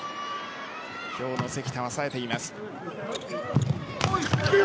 今日の関田はさえています。